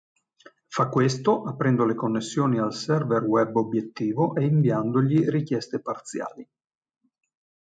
Fa questo, aprendo le connessioni al server web obiettivo e inviandogli richieste parziali.